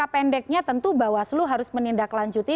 pendeknya tentu bawaslu harus menindaklanjuti